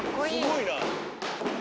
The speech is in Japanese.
すごいな。